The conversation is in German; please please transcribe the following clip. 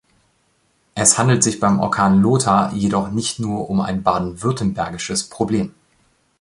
Es handelt sich beim Orkan Lothar jedoch nicht nur um ein baden-württembergisches Problem.